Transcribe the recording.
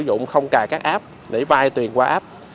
sử dụng không cài các app để vay tuyền qua app